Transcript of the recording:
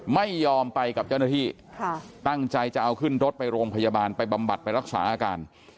ไม่ยอมไปกับเจ้าหน้าที่ตั้งใจจะเอาขึ้นรถไปโรงพยาบาลไปบำบัดไปรักษาอาการ